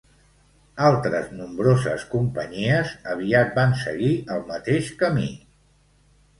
Altres nombroses companyies aviat van seguir el mateix camí.